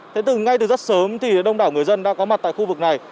thế từ ngay từ rất sớm thì đông đảo người dân đã có mặt tại khu vực này